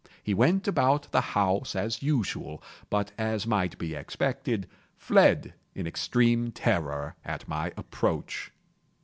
He went about the house as usual, but, as might be expected, fled in extreme terror at my approach.